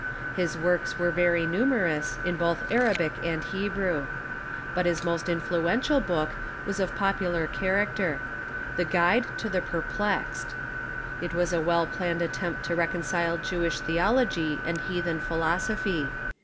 His works were very numerous, in both Arabic and Hebrew. But his most influential book was of popular character —" The Guide to the Perplexed." It was a well planned attempt to reconcile Jewish theology and heathen philosophy.